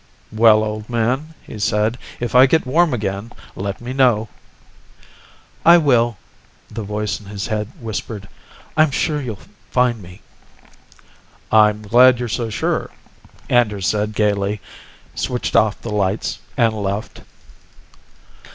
"Well, old man," he said, "if I get warm again, let me know." "I will," the voice in his head whispered. "I'm sure you'll find me." "I'm glad you're so sure," Anders said gaily, switched off the lights and left.